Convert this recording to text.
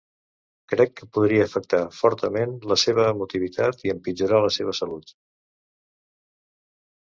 Crec que podria afectar fortament la seva emotivitat i empitjorar la seva salut.